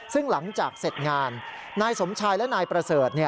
ซึ่งหลังจากเสร็จงานนายสมชายและนายประเสริฐ